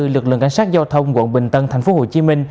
lực lượng cảnh sát giao thông quận bình tân tp hcm